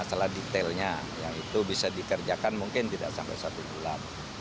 masalah detailnya yang itu bisa dikerjakan mungkin tidak sampai satu bulan